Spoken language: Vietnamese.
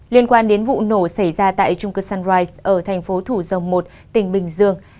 liên quan đến vụ nổ xảy ra tại trung cư sunrise ở thành phố thủ dầu một tỉnh bình dương